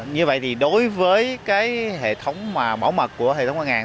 như vậy thì đối với cái hệ thống mà bảo mật của hệ thống ngân hàng